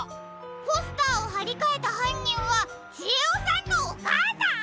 ポスターをはりかえたはんにんはちえおさんのおかあさん！？